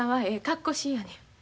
かっこしいやねん。